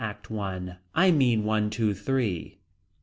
ACT I. I mean one two three.